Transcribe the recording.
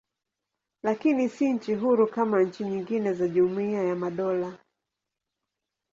Lakini si nchi huru kama nchi nyingine za Jumuiya ya Madola.